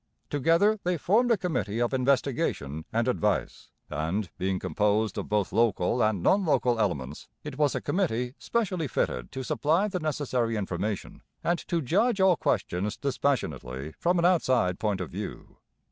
Together they formed a committee of investigation and advice; and, being composed of both local and non local elements, it was a committee specially fitted to supply the necessary information, and to judge all questions dispassionately from an outside point of view.